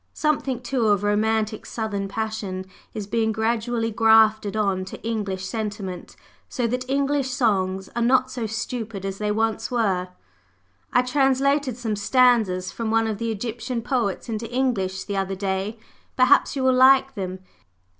Something, too, of romantic southern passion is being gradually grafted on to English sentiment, so that English songs are not so stupid as they were once. I translated some stanzas from one of the old Egyptian poets into English the other day, perhaps you will like them.